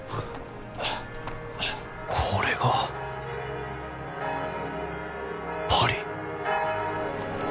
これがパリ！